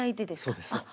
そうです。